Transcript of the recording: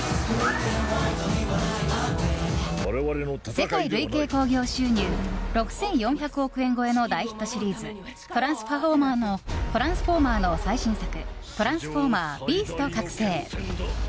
世界累計興行収入６４００億円超えの大ヒットシリーズ「トランスフォーマー」の最新作「トランスフォーマー／ビースト覚醒」。